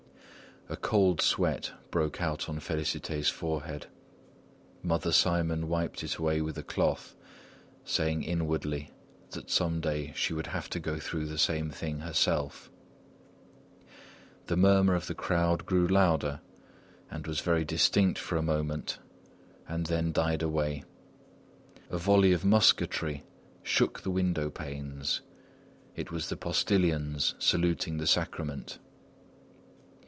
A cold sweat broke out on Félicité's forehead. Mother Simon wiped it away with a cloth, saying inwardly that some day she would have to go through the same thing herself. The murmur of the crowd grew louder, was very distinct for a moment and then died away. A volley of musketry shook the window panes. It was the postilions saluting the Sacrament.